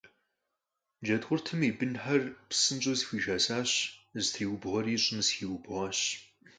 Джэдкъуртым и бынхэр псынщӀэу зэхуишэсащ, зэтриубгъуэри щӀым зэхиӀубгъуащ.